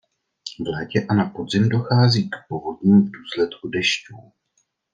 V létě a na podzim dochází k povodním v důsledku dešťů.